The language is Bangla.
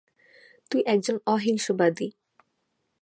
তুই একজন অহিংসবাদী!